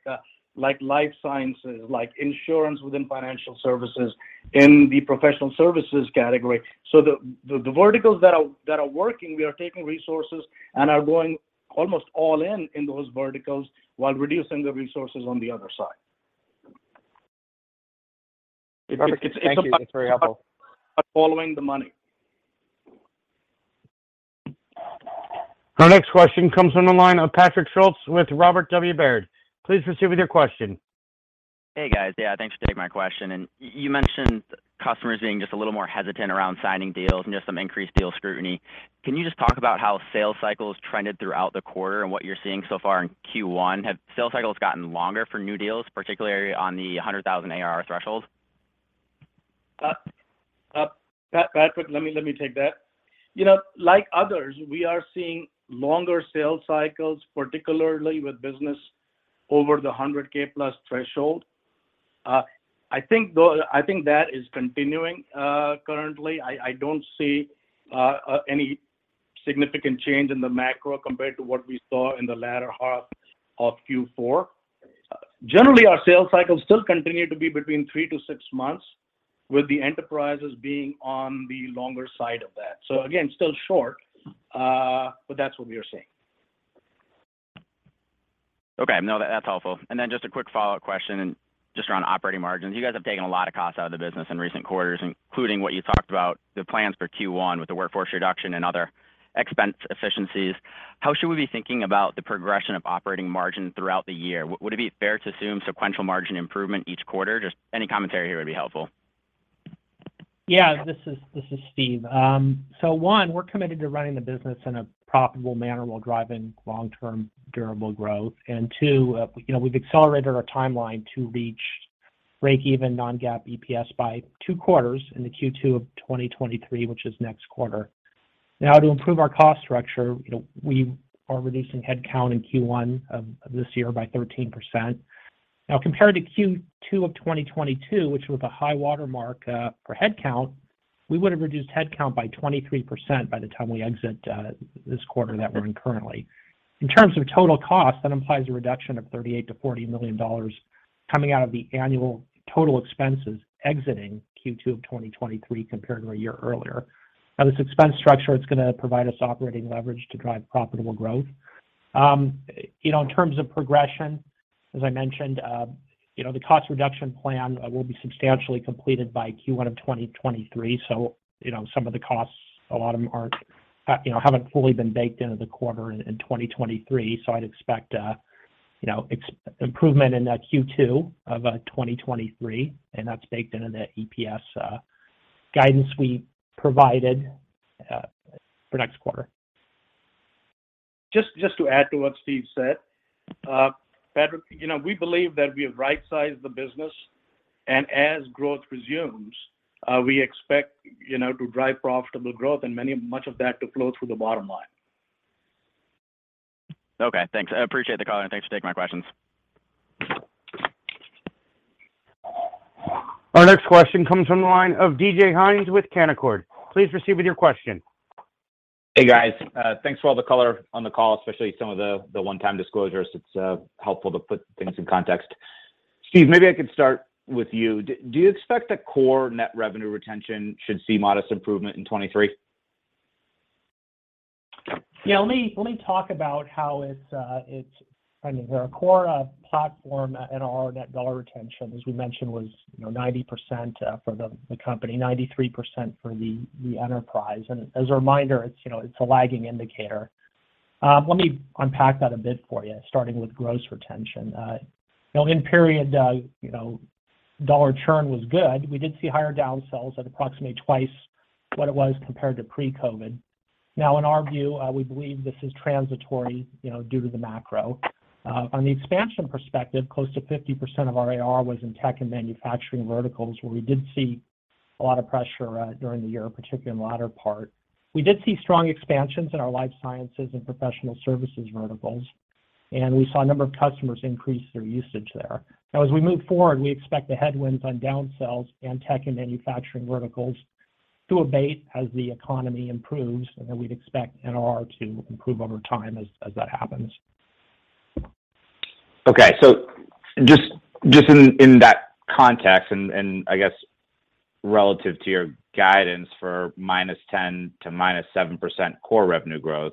life sciences, like insurance within financial services in the professional services category. The verticals that are working, we are taking resources and are going almost all in in those verticals while reducing the resources on the other side. Perfect. Thank you. That's very helpful. It's about following the money. Our next question comes from the line of Patrick Schultz with Robert W. Baird. Please proceed with your question. Hey, guys. Yeah, thanks for taking my question. You mentioned customers being just a little more hesitant around signing deals and just some increased deal scrutiny. Can you just talk about how sales cycles trended throughout the quarter and what you're seeing so far in Q1? Have sales cycles gotten longer for new deals, particularly on the $100,000 ARR threshold? Patrick, let me take that. You know, like others, we are seeing longer sales cycles, particularly with business over the 100K+ threshold. I think that is continuing currently. I don't see any significant change in the macro compared to what we saw in the latter half of Q4. Generally, our sales cycles still continue to be between three-six months, with the enterprises being on the longer side of that. Again, still short, but that's what we are seeing. Okay. No, that's helpful. Just a quick follow-up question just around operating margins. You guys have taken a lot of costs out of the business in recent quarters, including what you talked about, the plans for Q1 with the workforce reduction and other expense efficiencies. How should we be thinking about the progression of operating margin throughout the year? Would it be fair to assume sequential margin improvement each quarter? Just any commentary here would be helpful. This is Steve. One, we're committed to running the business in a profitable manner while driving long-term durable growth. Two, you know, we've accelerated our timeline to reach breakeven non-GAAP EPS by 2 quarters in the Q2 of 2023, which is next quarter. To improve our cost structure, you know, we are reducing headcount in Q1 of this year by 13%. Compared to Q2 of 2022, which was a high watermark for headcount, we would have reduced headcount by 23% by the time we exit this quarter that we're in currently. In terms of total cost, that implies a reduction of $38 million-$40 million coming out of the annual total expenses exiting Q2 of 2023 compared to a year earlier. This expense structure, it's gonna provide us operating leverage to drive profitable growth. You know, in terms of progression, as I mentioned, you know, the cost reduction plan will be substantially completed by Q1 of 2023. You know, some of the costs, a lot of them aren't, you know, haven't fully been baked into the quarter in 2023. I'd expect, you know, ex-improvement in that Q2 of 2023, and that's baked into the EPS guidance we provided for next quarter. Just to add to what Steve said. Patrick, you know, we believe that we have right-sized the business. As growth resumes, we expect, you know, to drive profitable growth and much of that to flow through the bottom line. Okay, thanks. I appreciate the call, and thanks for taking my questions. Our next question comes from the line of David Hynes with Canaccord. Please proceed with your question. Hey, guys. Thanks for all the color on the call, especially some of the one-time disclosures. It's helpful to put things in context. Steve, maybe I could start with you. Do you expect that core net revenue retention should see modest improvement in 2023? Yeah, let me talk about how it's I mean, our core platform and our Net Dollar Retention, as we mentioned, was, you know, 90% for the company, 93% for the enterprise. As a reminder, it's, you know, a lagging indicator. Let me unpack that a bit for you, starting with Gross Retention. You know, in period, you know, dollar churn was good. We did see higher down sells at approximately twice what it was compared to pre-COVID. Now, in our view, we believe this is transitory, you know, due to the macro. On the expansion perspective, close to 50% of our ARR was in tech and manufacturing verticals, where we did see a lot of pressure during the year, particularly in the latter part. We did see strong expansions in our life sciences and professional services verticals, and we saw a number of customers increase their usage there. As we move forward, we expect the headwinds on down sells and tech and manufacturing verticals to abate as the economy improves, we'd expect ARR to improve over time as that happens. Okay. Just in that context and I guess relative to your guidance for -10% to -7% core revenue growth,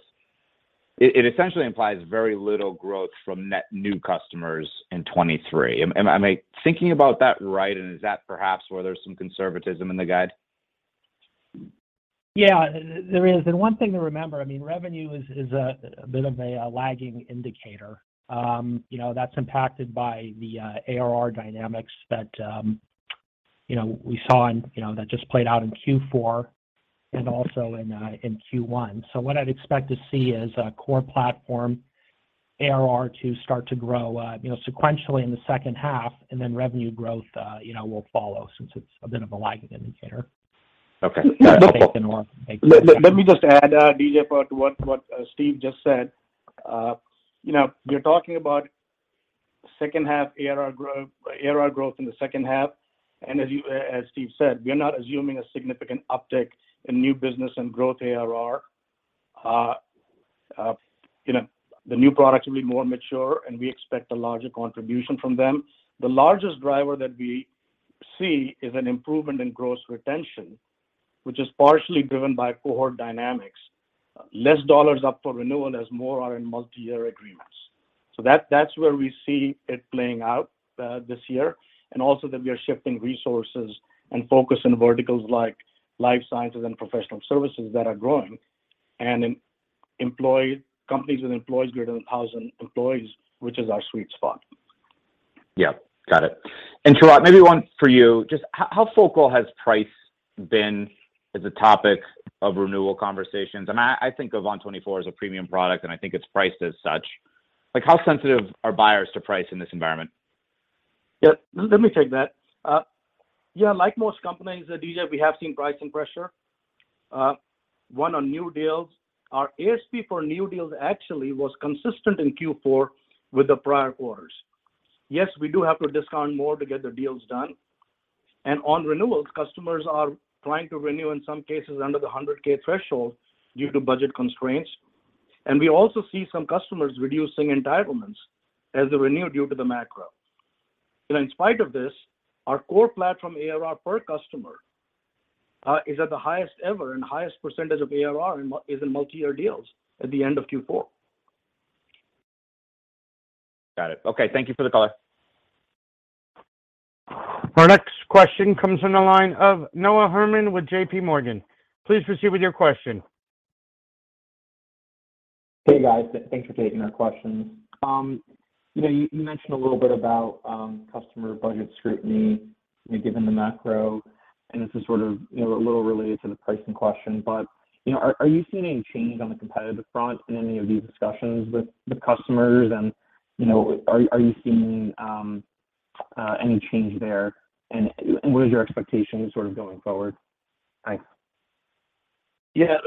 it essentially implies very little growth from net new customers in 2023. Am I thinking about that right, and is that perhaps where there's some conservatism in the guide? Yeah, there is. One thing to remember, I mean, revenue is a bit of a lagging indicator, you know, that's impacted by the ARR dynamics that, you know, we saw and, you know, that just played out in Q4 and also in Q1. What I'd expect to see is a core platform ARR to start to grow, you know, sequentially in the second half, and then revenue growth, you know, will follow since it's a bit of a lagging indicator. Okay. Let me just add, David Hynes, about what Steve Vattuone just said. You know, you're talking about second half ARR growth in the second half. As Steve Vattuone said, we are not assuming a significant uptick in new business and growth ARR. You know, the new products will be more mature, and we expect a larger contribution from them. The largest driver that we see is an improvement in Gross Dollar Retention, which is partially driven by cohort dynamics. Less dollars up for renewal as more are in multi-year agreements. That's where we see it playing out this year, and also that we are shifting resources and focus in verticals like life sciences and professional services that are growing and companies with employees greater than 1,000 employees, which is our sweet spot. Yeah, got it. Sharat, maybe one for you. How focal has price been as a topic of renewal conversations? I think of ON24 as a premium product, and I think it's priced as such. Like, how sensitive are buyers to price in this environment? Yeah, let me take that. Yeah, like most companies, David, we have seen pricing pressure, one on new deals. Our ASP for new deals actually was consistent in Q4 with the prior quarters. Yes, we do have to discount more to get the deals done. On renewals, customers are trying to renew, in some cases, under the 100K threshold due to budget constraints. We also see some customers reducing entitlements as they renew due to the macro. You know, in spite of this, our core platform ARR per customer is at the highest ever and highest percentage of ARR is in multi-year deals at the end of Q4. Got it. Okay, thank you for the color. Our next question comes from the line of Noah Herman with JP Morgan. Please proceed with your question. Hey, guys. Thanks for taking our questions. You know, you mentioned a little bit about customer budget scrutiny, you know, given the macro, and this is sort of, you know, a little related to the pricing question. You know, are you seeing any change on the competitive front in any of these discussions with customers? You know, are you seeing any change there? What is your expectation sort of going forward? Thanks. Yeah.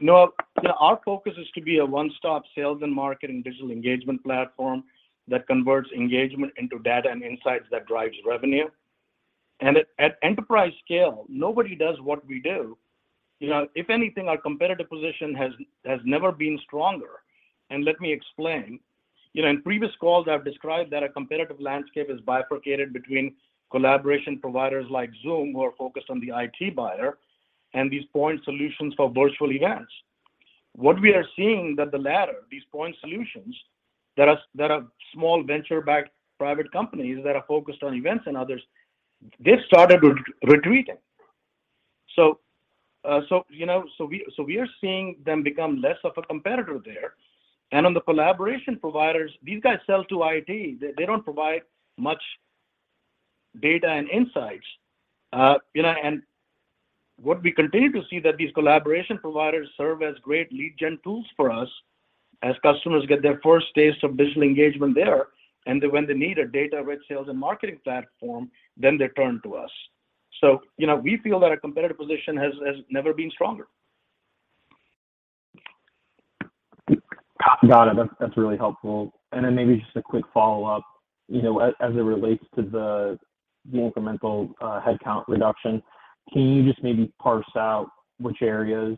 Noah, you know, our focus is to be a one-stop sales and marketing digital engagement platform that converts engagement into data and insights that drives revenue. At enterprise scale, nobody does what we do. You know, if anything, our competitive position has never been stronger, and let me explain. You know, in previous calls I've described that our competitive landscape is bifurcated between collaboration providers like Zoom who are focused on the IT buyer and these point solutions for virtual events. What we are seeing that the latter, these point solutions that are small venture-backed private companies that are focused on events and others, they've started retreating. You know, we are seeing them become less of a competitor there. On the collaboration providers, these guys sell to IT. They don't provide much data and insights. you know, what we continue to see that these collaboration providers serve as great lead gen tools for us as customers get their first taste of digital engagement there. When they need a data-rich sales and marketing platform, then they turn to us. you know, we feel that our competitive position has never been stronger. Got it. That's really helpful. Then maybe just a quick follow-up, you know, as it relates to the incremental headcount reduction. Can you just maybe parse out which areas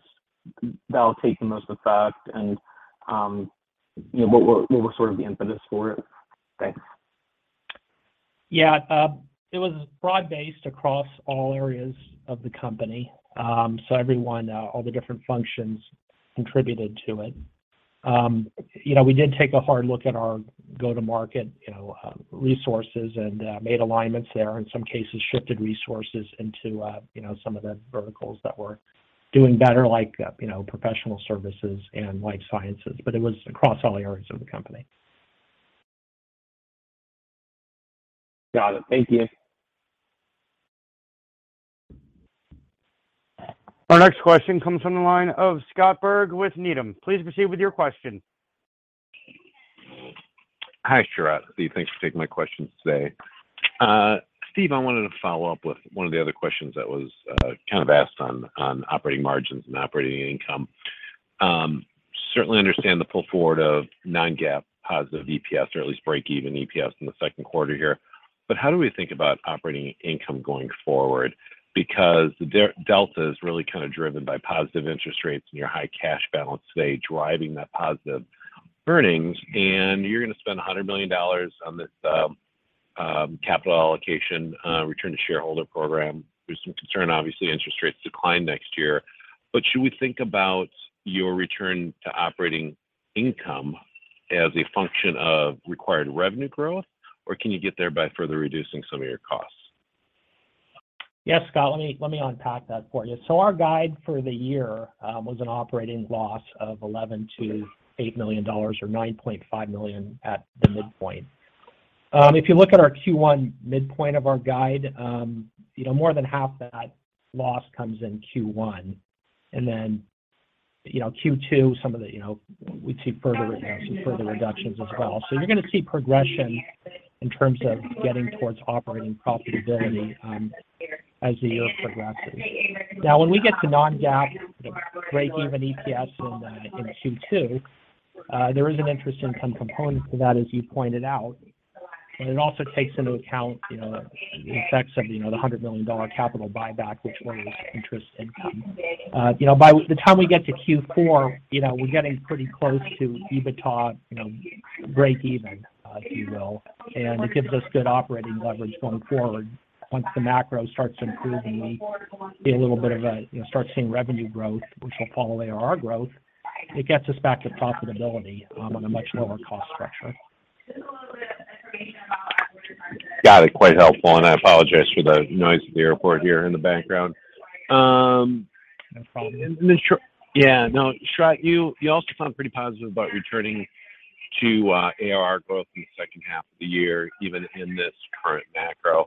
that'll take the most effect and, you know, what were sort of the impetus for it? Thanks. It was broad-based across all areas of the company. Everyone, all the different functions contributed to it. You know, we did take a hard look at our go-to-market, you know, resources and made alignments there, in some cases shifted resources into, you know, some of the verticals that were doing better like, you know, professional services and life sciences. It was across all areas of the company. Got it. Thank you. Our next question comes from the line of Scott Berg with Needham. Please proceed with your question. Hi, Sharat, Steve. Thanks for taking my questions today. Steve, I wanted to follow up with one of the other questions that was kind of asked on operating margins and operating income. Certainly understand the pull forward of non-GAAP positive EPS, or at least break even EPS in the second quarter here. But how do we think about operating income going forward? Because the delta is really kind of driven by positive interest rates and your high cash balance today driving that positive earnings, and you're gonna spend $100 million on this capital allocation, return to shareholder program. There's some concern, obviously, interest rates decline next year. But should we think about your return to operating income as a function of required revenue growth, or can you get there by further reducing some of your costs? Scott. Let me unpack that for you. Our guide for the year was an operating loss of $11 million-$8 million or $9.5 million at the midpoint. If you look at our Q1 midpoint of our guide, you know, more than half that loss comes in Q1. You know, Q2, some of the, you know, we see further, you know, some further reductions as well. You're gonna see progression in terms of getting towards operating profitability as the year progresses. When we get to non-GAAP break even EPS in Q2, there is an interest income component to that, as you pointed out. It also takes into account, you know, the effects of, you know, the $100 million capital buyback, which was interest income. You know, by the time we get to Q4, you know, we're getting pretty close to EBITDA, you know, break even, if you will, and it gives us good operating leverage going forward. Once the macro starts improving, we get a little bit of a, you know, start seeing revenue growth, which will follow ARR growth. It gets us back to profitability on a much lower cost structure. Got it. Quite helpful, and I apologize for the noise of the airport here in the background. No problem. Sharat, you also sound pretty positive about returning to ARR growth in the second half of the year, even in this current macro.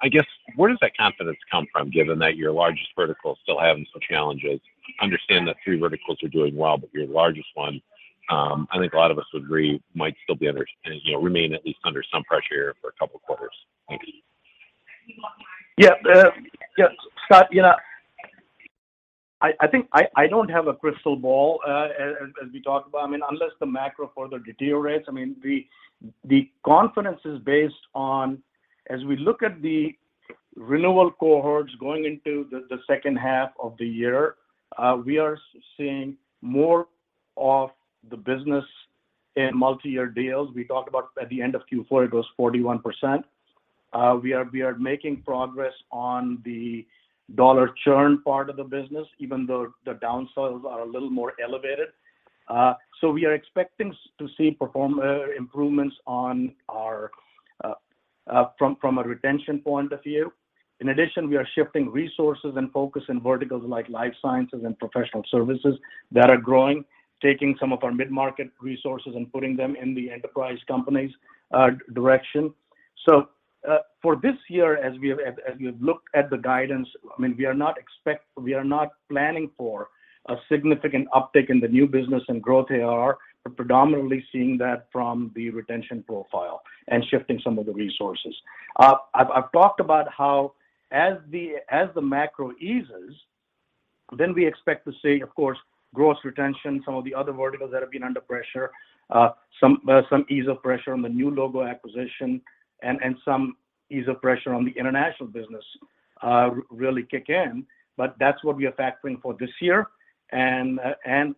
I guess, where does that confidence come from, given that your largest vertical is still having some challenges? Understand that three verticals are doing well, but your largest one, I think a lot of us would agree might still be under, you know, remain at least under some pressure here for a couple quarters. Thanks. Yeah, Scott, you know, I think I don't have a crystal ball, as we talked about. I mean, unless the macro further deteriorates, I mean, the confidence is based on as we look at the renewal cohorts going into the second half of the year, we are seeing more of the business in multiyear deals. We talked about at the end of Q4, it was 41%. We are making progress on the dollar churn part of the business, even though the downsells are a little more elevated. We are expecting to see improvements on our, from a retention point of view. In addition, we are shifting resources and focus in verticals like life sciences and professional services that are growing, taking some of our mid-market resources and putting them in the enterprise companies, direction. For this year, as we've looked at the guidance, I mean, we are not planning for a significant uptick in the new business and growth ARR, but predominantly seeing that from the retention profile and shifting some of the resources. I've talked about how as the macro eases, then we expect to see, of course, gross retention, some of the other verticals that have been under pressure, some ease of pressure on the new logo acquisition and some ease of pressure on the international business really kick in. That's what we are factoring for this year and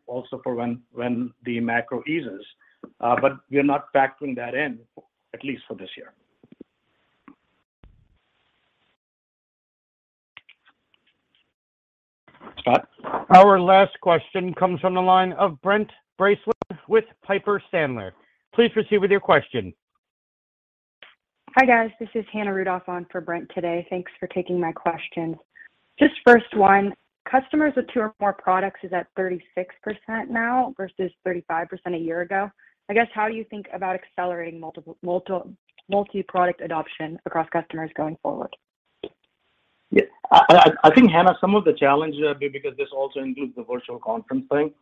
also for when the macro eases. We're not factoring that in, at least for this year. Scott? Our last question comes from the line of Brent Bracelin with Piper Sandler. Please proceed with your question. Hi, guys. This is Hannah Rudolph on for Brent today. Thanks for taking my questions. Just first one, customers with two or more products is at 36% now versus 35% a year ago. I guess how do you think about accelerating multi-product adoption across customers going forward? Yeah. I think, Hannah, some of the challenges, because this also includes the ON24 Virtual Conference thing,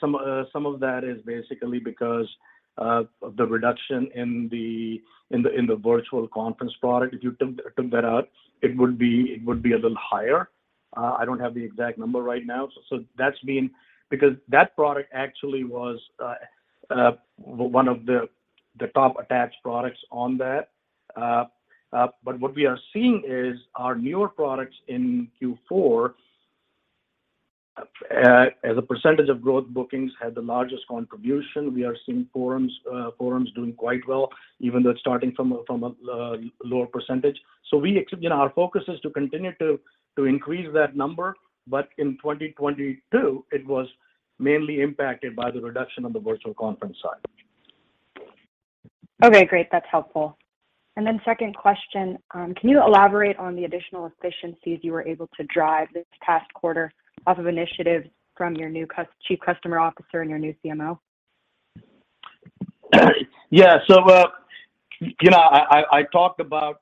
some of that is basically because of the reduction in the ON24 Virtual Conference product. If you took that out, it would be a little higher. I don't have the exact number right now. That's been... Because that product actually was one of the top attached products on that. What we are seeing is our newer products in Q4, as a % of growth bookings, had the largest contribution. We are seeing ON24 Forums doing quite well, even though it's starting from a lower %. You know, our focus is to continue to increase that number. In 2022, it was mainly impacted by the reduction on the virtual conference side. Okay, great. That's helpful. Second question, can you elaborate on the additional efficiencies you were able to drive this past quarter off of initiatives from your new Chief Customer Officer and your new CMO? Yeah. You know,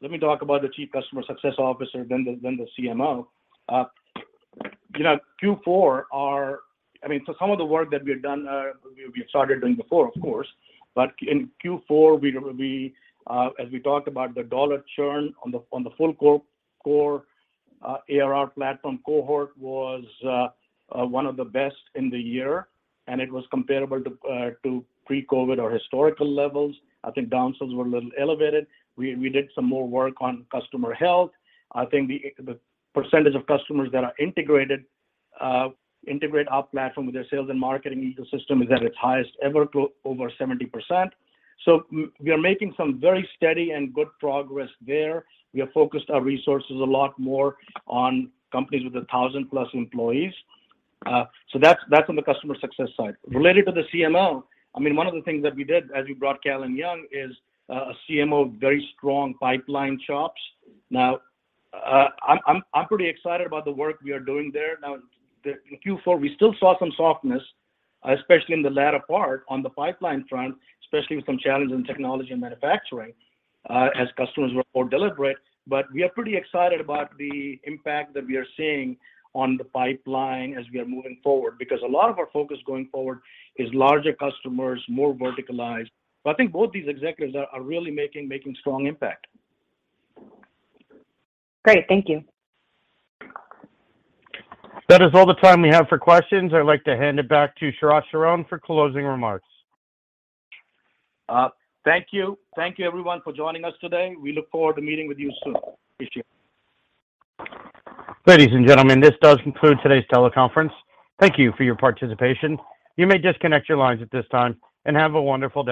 let me talk about the chief customer success officer than the CMO. You know, Q4 I mean, some of the work that we have done, we started doing before, of course. In Q4, we as we talked about the dollar churn on the full core ARR platform cohort was one of the best in the year, and it was comparable to pre-COVID or historical levels. I think down sales were a little elevated. We did some more work on customer health. I think the percentage of customers that are integrated, integrate our platform with their sales and marketing ecosystem is at its highest ever to over 70%. We are making some very steady and good progress there. We have focused our resources a lot more on companies with 1,000 plus employees. That's on the customer success side. Related to the CMO, I mean, one of the things that we did, as you brought Callan Young, is a CMO of very strong pipeline chops. I'm pretty excited about the work we are doing there. In Q4, we still saw some softness, especially in the latter part on the pipeline front, especially with some challenges in technology and manufacturing, as customers were more deliberate. We are pretty excited about the impact that we are seeing on the pipeline as we are moving forward, because a lot of our focus going forward is larger customers, more verticalized. I think both these executives are really making strong impact. Great. Thank you. That is all the time we have for questions. I'd like to hand it back to Sharat Sharan for closing remarks. Thank you. Thank you everyone for joining us today. We look forward to meeting with you soon. Appreciate it. Ladies and gentlemen, this does conclude today's teleconference. Thank you for your participation. You may disconnect your lines at this time, and have a wonderful day.